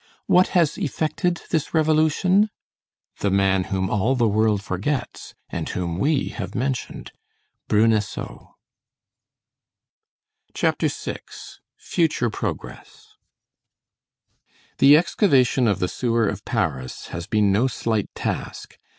What has effected this revolution? The man whom all the world forgets, and whom we have mentioned, Bruneseau. CHAPTER VI—FUTURE PROGRESS The excavation of the sewer of Paris has been no slight task.